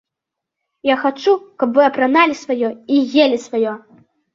Я хачу, каб вы апраналі сваё і елі сваё.